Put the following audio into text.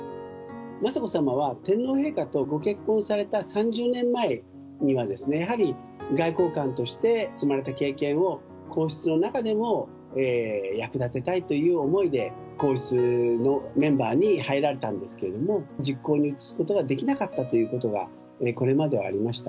雅子さまは天皇陛下とご結婚された３０年前には、やはり、外交官として積まれた経験を、皇室の中でも役立てたいという思いで、皇室のメンバーに入られたんですけれども、実行に移すことができなかったということがこれまではありました。